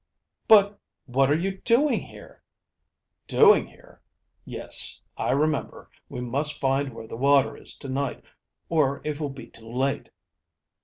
"But what are you doing here?" "Doing here? Yes, I remember. We must find where the water is to night, or it will be too late."